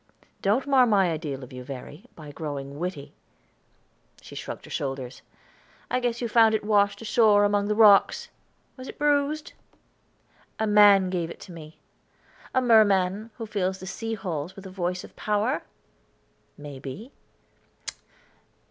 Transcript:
"Don't mar my ideal of you, Verry, by growing witty." She shrugged her shoulders. "I guess you found it washed ashore, among the rocks; was it bruised?" "A man gave it to me." "A merman, who fills the sea halls with a voice of power?" "May be."